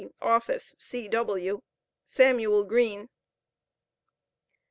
office C.W. SAMUEL GREEN.